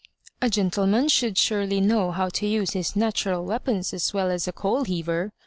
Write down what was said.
" A gentleman should surely know how to use his natural weapons as well as a coalheaver.